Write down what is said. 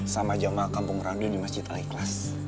sama jamaah kampung randu di masjid aliklas